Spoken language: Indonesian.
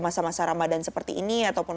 masa masa ramadan seperti ini ataupun